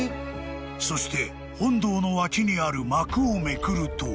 ［そして本堂の脇にある幕をめくると］